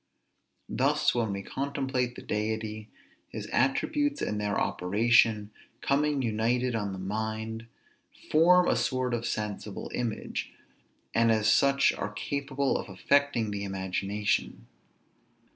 Thus, when we contemplate the Deity, his attributes and their operation, coming united on the mind, form a sort of sensible image, and as such are capable of affecting the imagination.